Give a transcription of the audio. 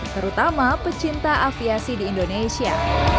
terutama pecinta aviasi di indonesia